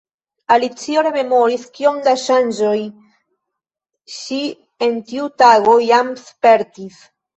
Alicio rememoris kiom da ŝanĝoj ŝi en tiu tago jam spertis.